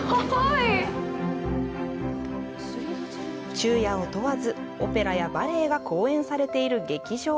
昼夜を問わず、オペラやバレエが公演されている劇場。